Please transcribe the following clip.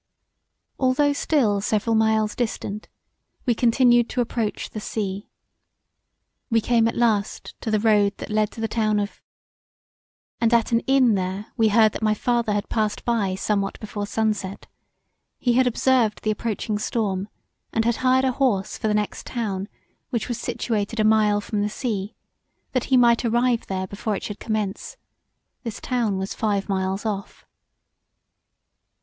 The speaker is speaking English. Although still several miles distant we continued to approach the sea. We came at last to the road that led to the town of and at an inn there we heard that my father had passed by somewhat before sunset; he had observed the approaching storm and had hired a horse for the next town which was situated a mile from the sea that he might arrive there before it should commence: this town was five miles off.